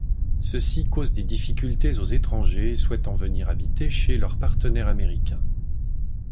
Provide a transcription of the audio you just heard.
Ceci cause des difficultés aux étrangers souhaitant venir habiter chez leur partenaire américain.